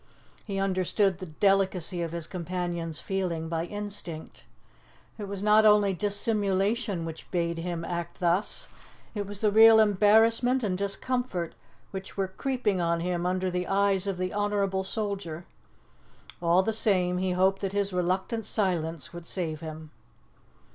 He understood the delicacy of his companion's feeling by instinct. It was not only dissimulation which bade him act thus, it was the real embarrassment and discomfort which were creeping on him under the eyes of the honourable soldier; all the same, he hoped that his reluctant silence would save him.